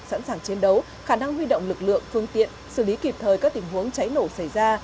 sẵn sàng chiến đấu khả năng huy động lực lượng phương tiện xử lý kịp thời các tình huống cháy nổ xảy ra